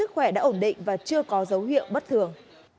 sức khỏe đã ổn định và chưa có dấu hiệu bất thường